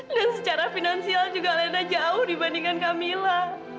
dan secara finansial juga alina jauh dibandingkan camilla